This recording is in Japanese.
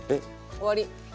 終わり？